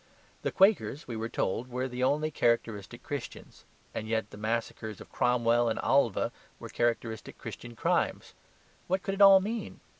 The Quakers (we were told) were the only characteristic Christians; and yet the massacres of Cromwell and Alva were characteristic Christian crimes. What could it all mean?